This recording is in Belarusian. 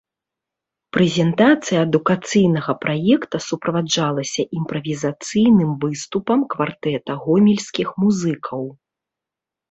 Прэзентацыя адукацыйнага праекта суправаджалася імправізацыйным выступам квартэта гомельскіх музыкаў.